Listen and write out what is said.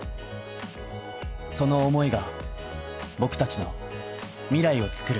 その思いが僕達の未来をつくる